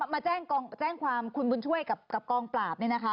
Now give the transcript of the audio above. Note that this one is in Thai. มาแจ้งความคุณบุญช่วยกับกองปราบ